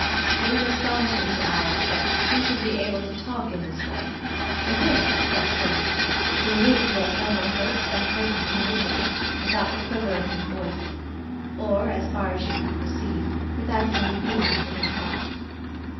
It was astonishing to Alice that he should be able to talk in this way, to hint at such things, to allude to their former hopes and present condition, without a quiver in his voice, or, as far as she could perceive, without any feeling in his heart.